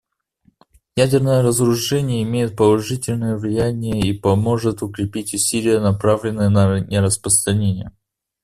Ядерное разоружение имеет положительное влияние и поможет укрепить усилия, направленные на нераспространение.